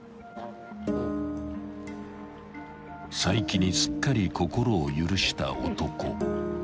［齋木にすっかり心を許した男］